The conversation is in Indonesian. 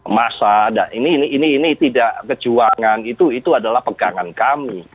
masa ini tidak kejuangan itu adalah pegangan kami